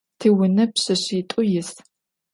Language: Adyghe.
Tiune pşseşsit'u yis.